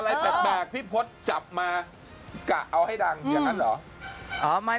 อะไรแปลกพี่พศจับมากะเอาให้ดังอย่างนั้นเหรอ